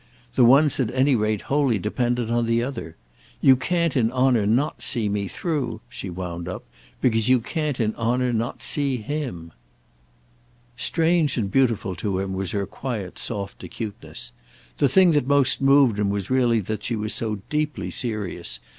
The one's at any rate wholly dependent on the other. You can't in honour not see me through," she wound up, "because you can't in honour not see him." Strange and beautiful to him was her quiet soft acuteness. The thing that most moved him was really that she was so deeply serious.